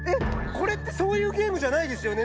これってそういうゲームじゃないですよね？